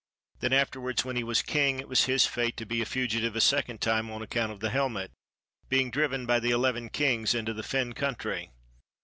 Then afterwards, when he was king, it was his fate to be a fugitive a second time on account of the helmet, being driven by the eleven kings into the fen country.